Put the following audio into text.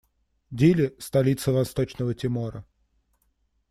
Дили - столица Восточного Тимора.